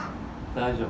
大丈夫。